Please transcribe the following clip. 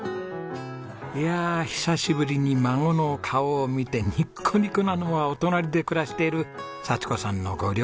いやあ久しぶりに孫の顔を見てニコニコなのはお隣で暮らしている佐千子さんのご両親です。